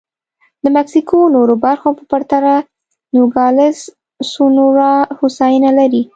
د مکسیکو نورو برخو په پرتله نوګالس سونورا هوساینه لري.